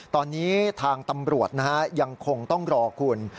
ตอนนี้ทางตำรวจนะฮะยังคงต้องรอคุณ